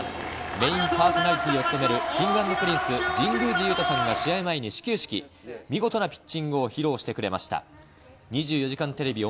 メインパーソナリティーを務める、Ｋｉｎｇ＆Ｐｒｉｎｃｅ神宮寺勇太さんが試合前の始球式で見事なピッチングを披露してくれました。